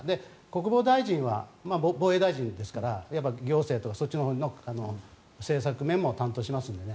国防大臣は防衛大臣ですから行政とかそっちのほうの政策面も担当しますので。